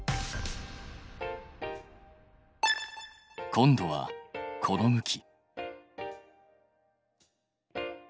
今度はこの向き。